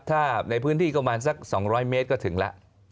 ถ้าในพื้นที่ก็ประมาณสัก๒๐๐เมตรก็ถึงแล้ว